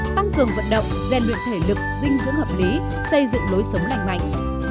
tăng cường vận động gian luyện thể lực dinh dưỡng hợp lý xây dựng lối sống lành mạnh